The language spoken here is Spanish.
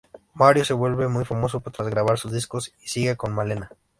Mario se vuelve muy famoso tras grabar sus discos y sigue con Malena.